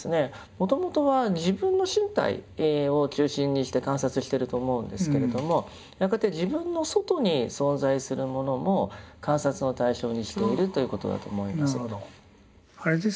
もともとは自分の身体を中心にして観察していると思うんですけれどもやがて自分の外に存在するものも観察の対象にしているということだと思います。